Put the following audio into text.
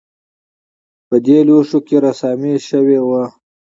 په دې لوښو کې رسامي شوې وه